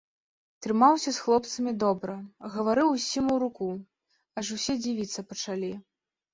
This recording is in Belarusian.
Трымаўся з хлопцамі добра, гаварыў усім у руку, аж усе дзівіцца пачалі.